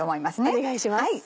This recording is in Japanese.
お願いします。